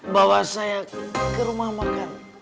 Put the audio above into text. bawa saya ke rumah makan